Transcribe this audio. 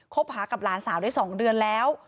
หากับหลานสาวได้๒เดือนแล้ว